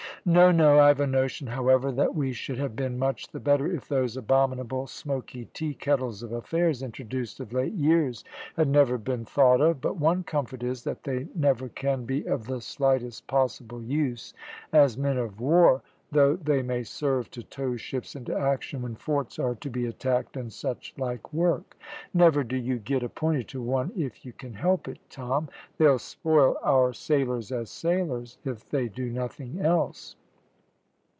No, no. I've a notion, however, that we should have been much the better if those abominable, smoky tea kettles of affairs introduced of late years had never been thought of, but one comfort is, that they never can be of the slightest possible use as men of war, though they may serve to tow ships into action when forts are to be attacked and such like work. Never do you get appointed to one if you can help it, Tom. They'll spoil our sailors as sailors if they do nothing else."